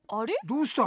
どうした？